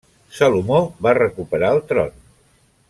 Salomó va recuperar el tron.